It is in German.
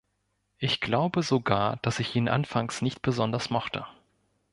Ich glaube sogar, dass ich ihn anfangs nicht besonders mochte.